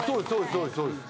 そうですそうです。